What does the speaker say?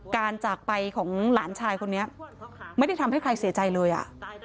จากไปของหลานชายคนนี้ไม่ได้ทำให้ใครเสียใจเลยอ่ะ